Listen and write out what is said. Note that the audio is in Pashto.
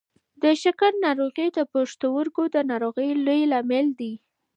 د شکر ناروغي د پښتورګو د ناروغۍ لوی لامل دی.